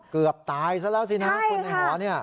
เกือบตายซะแล้วสินะคนในหอเนี่ย